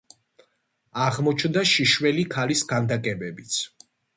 აღმოჩნდა შიშველი ქალის ქანდაკებებიც.